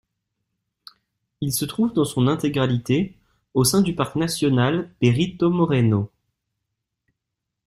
Il se trouve dans son intégralité au sein du parc national Perito Moreno.